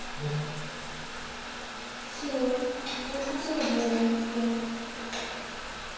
白１８の十二ツケ。